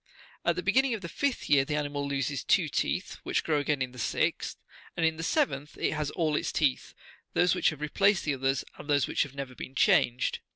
At the beginning of the fifth year the animal loses two teeth, which grow again in the sixth, and in the seventh it has all its teeth, those which have replaced the others, and those which have never been changed.